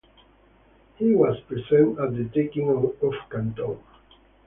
He was present at the taking of Canton.